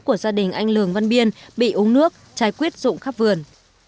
của gia đình anh lường văn biên bị uống nước trái quyết rụng khắp vườn